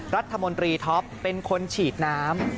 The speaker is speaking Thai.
รัฐมนตรีท็อปเป็นคนฉีดน้ำ